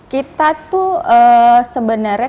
kita tuh sebenarnya